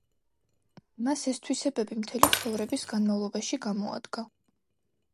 მას ეს თვისებები მთელი ცხოვრების განმავლობაში გამოადგა.